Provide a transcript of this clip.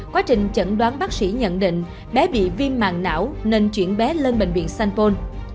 quá trình chẩn đoán bác sĩ nhận định bé bị viêm mạng não nên chuyển bé lên bệnh viện sanpon